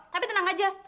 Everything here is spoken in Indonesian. tapi tenang aja